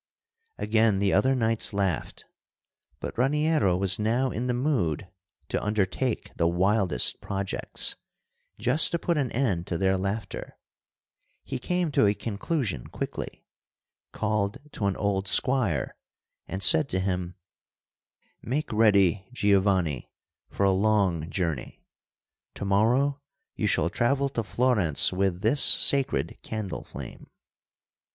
Again the other knights laughed, but Raniero was now in the mood to undertake the wildest projects, just to put an end to their laughter. He came to a conclusion quickly, called to an old squire, and said to him: "Make ready, Giovanni, for a long journey. To morrow you shall travel to Florence with this sacred candle flame."